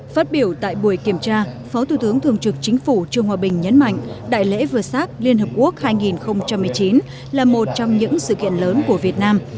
phát biểu tại buổi kiểm tra phó thủ tướng thường trực chính phủ trương hòa bình nhấn mạnh đại lễ vừa sát liên hợp quốc hai nghìn một mươi chín là một trong những sự kiện lớn của việt nam